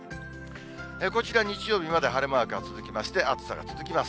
こちら、日曜日まで晴れマークが続きまして、暑さが続きます。